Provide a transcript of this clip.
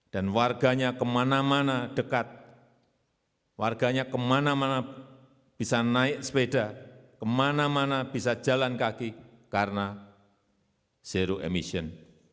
dan warganya kemana mana dekat warganya kemana mana bisa naik sepeda kemana mana bisa jalan kaki karena zero emission